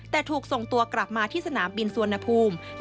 แต่ถูกส่งตัวกลับมาที่สนามบินสุวรรณภูมิ